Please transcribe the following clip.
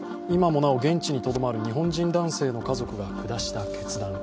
今もなお現地にとどまる日本人男性の家族が下した決断。